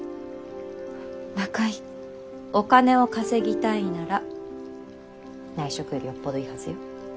お金を稼ぎたいなら内職よりよっぽどいいはずよ。